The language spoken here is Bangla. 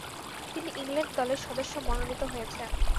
তিনি ইংল্যান্ড দলের সদস্য মনোনীত হয়েছেন।